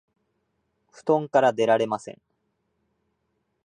布団から出られません